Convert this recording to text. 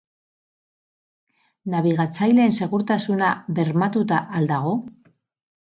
Nabigatzaileen segurtasuna bermatuta al dago?